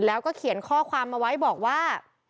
แล้วก็เขียนข้อความมาไว้บอกว่า